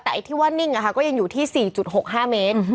แต่ไอ้ที่ว่านิ่งก็ยังอยู่ที่๔๖๕เมตร